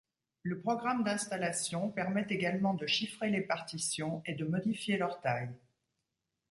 Le programme d'installation permet également de chiffrer les partitions et de modifier leur taille.